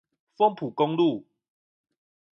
豐埔公路